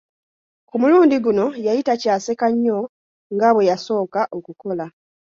Ku mulundi guno yali takyaseka nnyo nga bwe yasooka okukola.